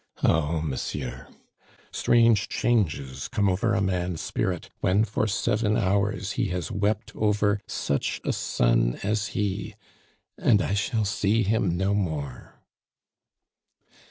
"Oh, monsieur! strange changes come over a man's spirit when for seven hours he has wept over such a son as he And I shall see him no more!"